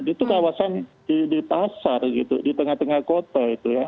itu kawasan di pasar di tengah tengah kota